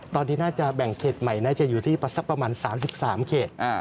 ตอนนี้น่าจะแบ่งเขตใหม่น่าจะอยู่ที่สักประมาณ๓๓เขต